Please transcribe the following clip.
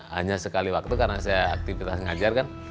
hanya sekali waktu karena saya aktivitas ngajar kan